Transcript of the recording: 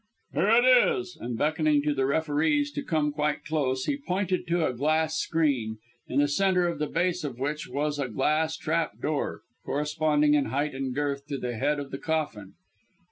Here it is" and beckoning to the referees to come quite close, he pointed to a glass screen, in the centre of the base of which was a glass trap door, corresponding in height and girth to the head of the coffin.